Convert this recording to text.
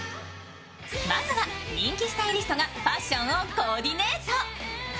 まずは人気スタイリストがファッションをコーディネート。